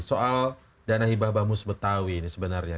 soal dana hibah bamus betawi ini sebenarnya